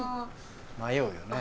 迷うよね。